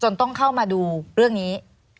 ต้องเข้ามาดูเรื่องนี้